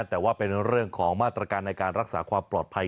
แต่ว่าเป็นเรื่องของมาตรการในการรักษาความปลอดภัย